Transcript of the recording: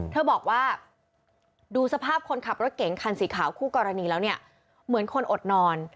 เธอบอกว่าดูสภาพคนขับรถเก๋งคันสีขาวคู่กรณีแล้วเนี่ยเหมือนคนอดนอน